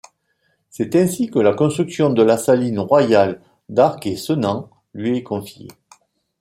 C'est ainsi que la construction de la saline royale d'Arc-et-Senans lui est confiée.